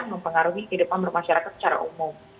mempengaruhi kehidupan bermasyarakat secara umum